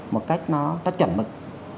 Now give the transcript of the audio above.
một cách nó chuẩn mực